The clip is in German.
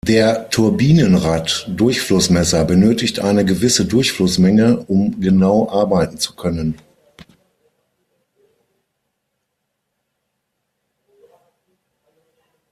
Der Turbinenrad-Durchflussmesser benötigt eine gewisse Durchflussmenge, um genau arbeiten zu können.